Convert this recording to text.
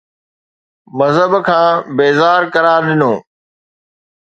مذهب کان بيزار قرار ڏنو